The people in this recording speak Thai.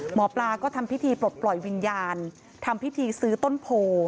หมอปลาก็ทำพิธีปลดปล่อยวิญญาณทำพิธีซื้อต้นโพ